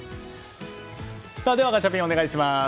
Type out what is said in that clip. ではガチャピン、お願いします。